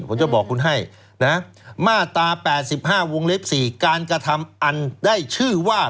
ผมจะบอกคุณให้นะมาตรา๘๕วงเล็บ๔การกระทำอันได้ชื่อว่า